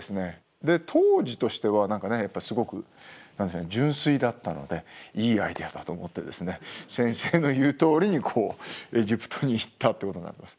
で当時としてはすごく純粋だったのでいいアイデアだと思ってですね先生の言うとおりにエジプトに行ったということになります。